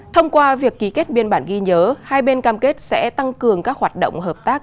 thông qua việc ký kết biên bản ghi nhớ hai bên cam kết sẽ tăng cường các hoạt động hợp tác